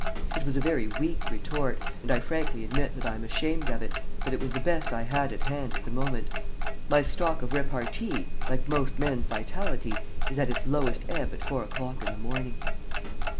It was a very weak retort, and I frankly admit that I am ashamed of it, but it was the best I had at hand at the moment. My stock of repartee, like most men's vitality, is at its lowest ebb at four o'clock in the morning.